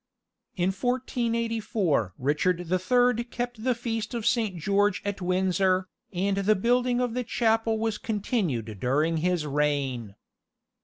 In 1484 Richard the Third kept the feast of Saint George at Windsor, and the building of the chapel was continued during his reign.